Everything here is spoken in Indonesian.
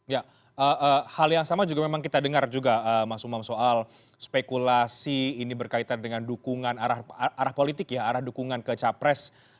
ya hal yang sama juga memang kita dengar juga mas umam soal spekulasi ini berkaitan dengan dukungan arah politik ya arah dukungan ke capres